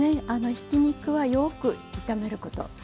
ひき肉はよく炒めること。